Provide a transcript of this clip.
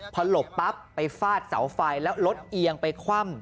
พอหลบปั๊บไปฟาดเสาไฟแล้วรถเอียงไปคว่ำ